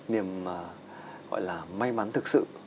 niềm may mắn thực sự